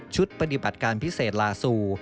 ปฏิบัติการพิเศษลาซู